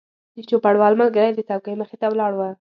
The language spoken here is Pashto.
د چوپړوال ملګری د څوکۍ مخې ته ولاړ و.